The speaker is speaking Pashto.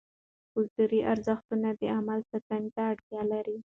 کلتوري ارزښتونه د علم ساتنې ته اړتیا لري.